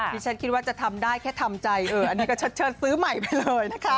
ฉันคิดว่าจะทำได้แค่ทำใจอันนี้ก็เชิดซื้อใหม่ไปเลยนะคะ